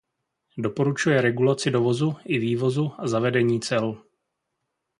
Doporučuje regulaci dovozu i vývozu a zavedení cel.